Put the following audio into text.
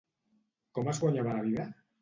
Com es guanyava la vida?